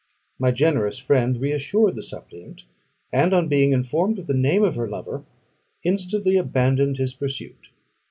My generous friend reassured the suppliant, and on being informed of the name of her lover, instantly abandoned his pursuit.